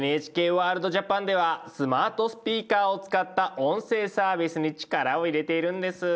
「ＮＨＫワールドＪＡＰＡＮ」ではスマートスピーカーを使った音声サービスに力を入れているんです。